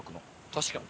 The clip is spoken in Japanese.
確かに。